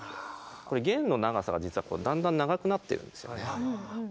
弦の長さが実はだんだん長くなってるんですよね。